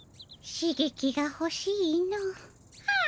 しげきがほしいの。はあ